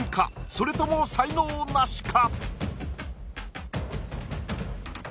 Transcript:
それとも才能ナシか？